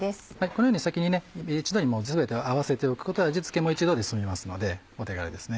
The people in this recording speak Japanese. このように先に一度に全て合わせておくと味付けも一度で済みますのでお手軽です。